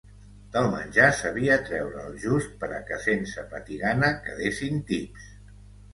Del menjar sabia treure el just pera que sense patir gana quedessin tips